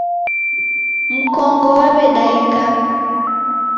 Mkongo waw'edaika.